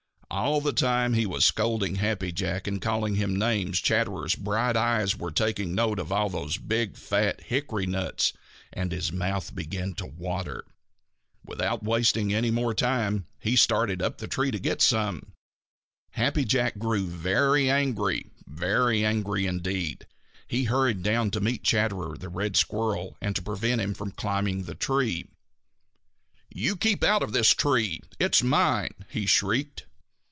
All the time he was scolding Happy Jack and calling him names Chatterer's bright eyes were taking note of all those big, fat hickory nuts and his mouth began to water. Without wasting any more time he started up the tree to get some. Happy Jack grew very angry, very angry indeed. He hurried down to meet Chatterer the Red Squirrel and to prevent him climbing the tree. "You keep out of this tree; it's mine!" he shrieked.